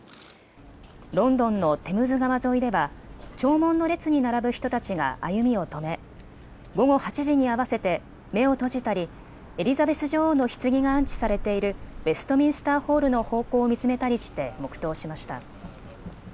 ロンドンのテムズ川沿いでは弔問の列に並ぶ人たちが歩みを止め、午後８時に合わせて目を閉じたり、エリザベス女王のひつぎが安置されているウェストミンスターホールの方向を見つめたりして黙とうしました。